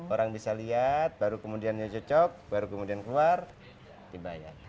orang bisa lihat baru kemudian dia cocok baru kemudian keluar dibayar